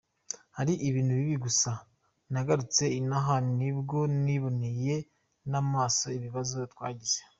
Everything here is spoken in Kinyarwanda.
Hari ibintu bibi gusa, tugarutse inaha nibwo niboneye n’amaso ibibazo twagize.